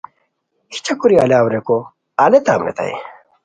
کیچہ کوری الاؤ ریکو الیتام ریتائے